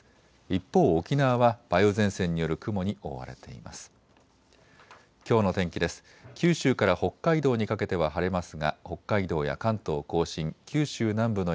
一方、沖縄は梅雨前線による雲に覆われています。